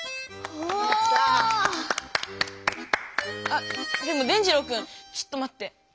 あでも伝じろうくんちょっとまって。